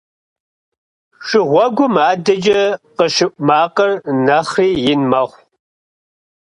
Шыгъуэгум адэкӏэ къыщыӏу макъыр нэхъри ин мэхъу.